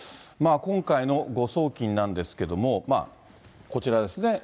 今回の誤送金なんですけれども、こちらですね。